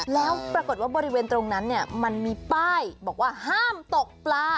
แล้วปรากฏว่าบริเวณตรงนั้นมันมีป้ายบอกว่าห้ามตกปลา